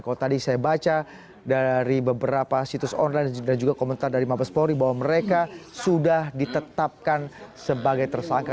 kalau tadi saya baca dari beberapa situs online dan juga komentar dari mabespori bahwa mereka sudah ditetapkan sebagai tersangka